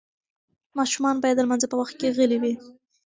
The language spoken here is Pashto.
ماشومان باید د لمانځه په وخت کې غلي وي.